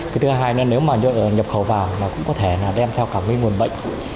cái thứ hai là nếu mà nhập khẩu vào nó cũng có thể là đem theo cả cái nguồn bệnh